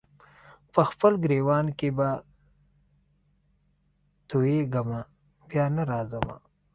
په خپل ګرېوان کي به تویېږمه بیا نه راځمه